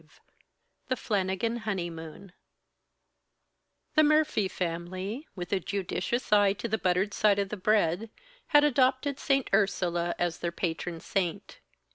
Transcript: V The Flannigan Honeymoon The Murphy family, with a judicious eye to the buttered side of the bread, had adopted Saint Ursula as their patron saint.